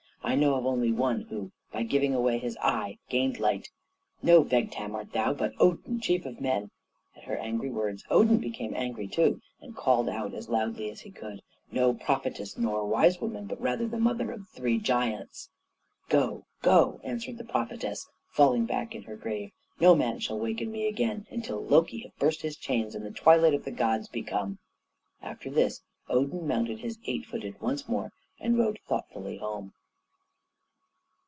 I know of only one who, by giving away his eye, gained light. No Vegtam art thou but Odin, chief of men." At her angry words Odin became angry, too, and called out as loudly as he could, "No prophetess nor wise woman, but rather the mother of three giants." "Go, go!" answered the prophetess, falling back in her grave; "no man shall waken me again until Loki have burst his chains and the Twilight of the Gods be come." After this Odin mounted the eight footed once more and rode thoughtfully home.